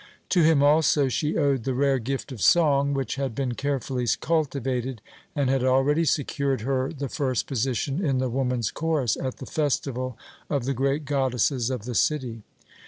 To him also she owed the rare gift of song, which had been carefully cultivated and had already secured her the first position in the woman's chorus at the festival of the great goddesses of the city.